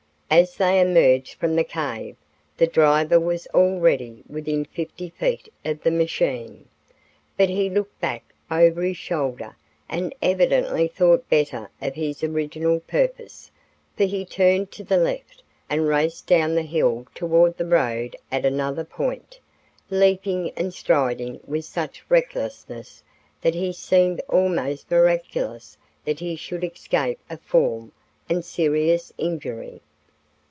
As they emerged from the cave, the driver was already within fifty feet of the machine. But he looked back over his shoulder and evidently thought better of his original purpose, for he turned to the left and raced down the hill toward the road at another point, leaping and striding with such recklessness that it seemed almost miraculous that he should escape a fall and serious injury.